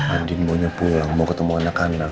adik maunya pulang mau ketemu anak anak